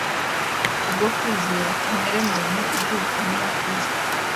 Ku bwo kwizera kamere muntu ihuzwa n’iya Kristo.